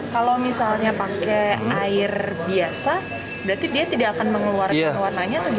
kalau misalnya pakai air biasa berarti dia tidak akan mengeluarkan warnanya atau gimana